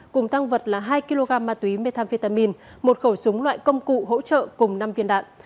cùng tăng vật là hai kg ma túy methamphetamin một khẩu súng loại công cụ hỗ trợ cùng năm viên đạn